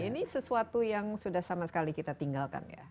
ini sesuatu yang sudah sama sekali kita tinggalkan ya